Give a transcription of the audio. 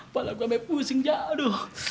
pala gue amat pusing jak aduh